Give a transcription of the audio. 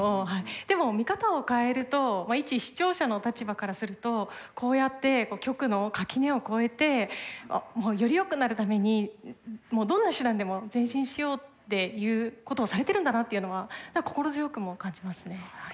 でも見方を変えると一視聴者の立場からするとこうやって局の垣根を越えてよりよくなるためにどんな手段でも前進しようっていうことをされてるんだなっていうのは心強くも感じますね。